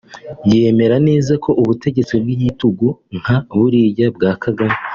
yemera neza ko ubutegetsi bw’igitugu nka buriya bwa Kagame